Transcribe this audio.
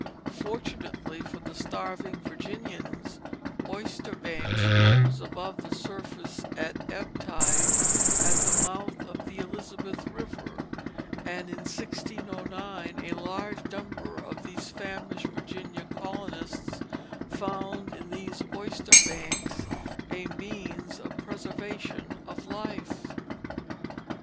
Fortunately for the starving Virginians, oyster banks rose above the surface at ebb tide at the mouth of the Elizabeth River, and in 1609 a large number of these famished Virginia colonists found in these oyster banks a means of preservation of life.